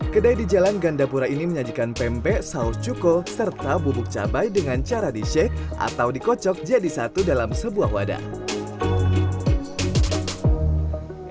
kedai di jalan gandapura ini menyajikan pempek saus cuko serta bubuk cabai dengan cara dishek atau dikocok jadi satu dalam sebuah wadah